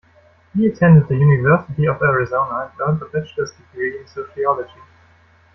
He attended the University of Arizona and earned a bachelor's degree in sociology.